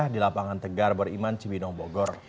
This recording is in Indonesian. di lapangan tegar beriman cibinong bogor